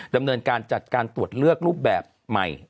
ดำเนินการจัดการตรวจเลือกรูปแบบใหม่